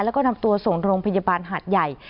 แล้วก็นำตัวส่งโรงพยาบาลหาดใหญ่